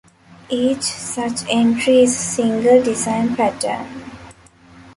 Each such entry is a single design pattern.